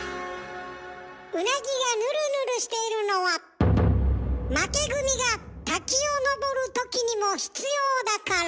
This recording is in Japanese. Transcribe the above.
ウナギがヌルヌルしているのは負け組が滝を登るときにも必要だから。